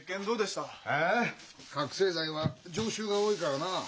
覚醒剤は常習が多いからなあ。